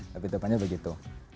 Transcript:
tapi depannya begitu